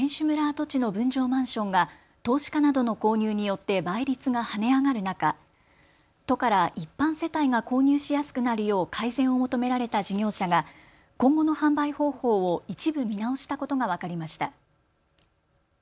跡地の分譲マンションが投資家などの購入によって倍率が跳ね上がる中、都から一般世帯が購入しやすくなるよう改善を求められた事業者が今後の販売方法を一部見直したことが分かりました。